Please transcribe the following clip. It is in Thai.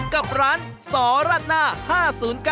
กับร้านสรัดหน้า๕๐๙